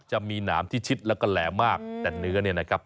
จะมีหนามที่ชิดแล้วก็แหลมมากแต่เนื้อเนี่ยนะครับ